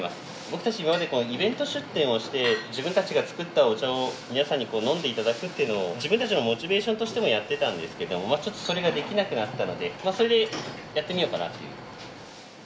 僕たち今までイベント出店をして自分たちが作ったお茶を皆さんに飲んでいただくっていうのを自分たちのモチベーションとしてもやってたんですけどちょっとそれができなくなったのでそれでやってみようかなっていう。